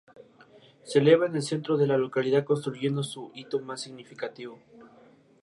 Se eleva en el centro de la localidad, constituyendo su hito más significado.